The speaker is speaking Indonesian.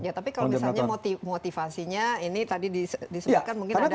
ya tapi kalau misalnya motivasinya ini tadi disebutkan mungkin ada